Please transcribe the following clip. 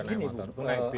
nggak ada yang naik motor